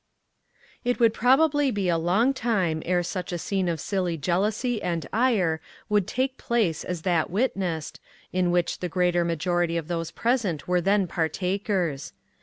It would probably be a long time ere such a scene of silly jealousy and ire would take place as that witnessed, in which the greater majority of those present were then partakers!